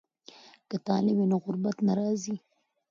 که تعلیم وي نو غربت نه راځي.